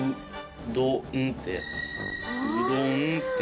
「うどん」って。